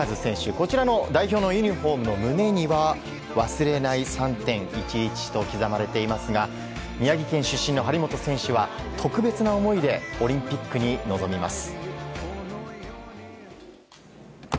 こちらの代表のユニホームの胸には忘れない３・１１と刻まれていますが宮城県出身の張本選手は特別な思いでオリンピックに臨みます。